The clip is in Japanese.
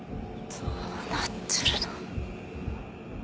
どうなってるの。